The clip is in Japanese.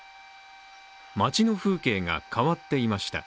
街の風景が変わっていました。